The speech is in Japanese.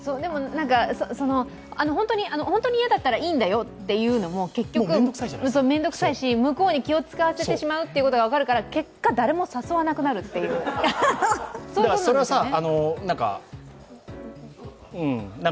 本当に嫌だったらいいんだよというのは結局、めんどくさいし、向こうに気を使わせてしまうということが分かるからそれはさ、なんかうん。